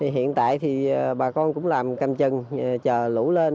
hiện tại thì bà con cũng làm căm chân chờ lũ lên